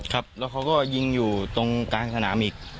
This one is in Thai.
ครับแล้วเขาก็ยิงอยู่ตรงกลางสนามอีก